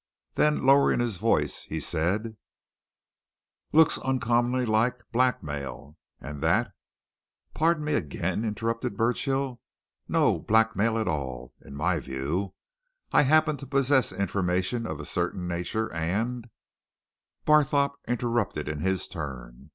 Then, lowering his voice, he said: "Looks uncommonly like blackmail! And that " "Pardon me again," interrupted Burchill. "No blackmail at all in my view. I happen to possess information of a certain nature, and " Barthorpe interrupted in his turn.